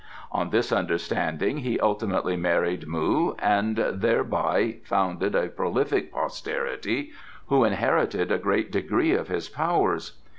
On this understanding he ultimately married Mu, and thereby founded a prolific posterity who inherited a great degree of his powers.